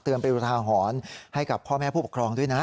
เป็นอุทาหรณ์ให้กับพ่อแม่ผู้ปกครองด้วยนะ